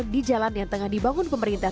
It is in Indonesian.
di jalan yang tengah dibangun pemerintah